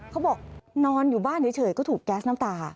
เขาบอกนอนอยู่บ้านเฉยก็ถูกแก๊สน้ำตา